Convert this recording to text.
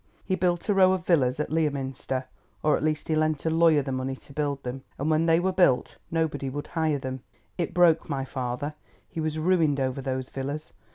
He built a row of villas at Leominster, or at least he lent a lawyer the money to build them, and when they were built nobody would hire them. It broke my father; he was ruined over those villas.